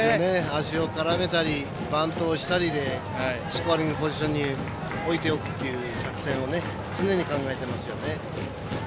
足を絡めたりバントをしたりでスコアリングポジションに置いておくっていう作戦を常に考えていますよね。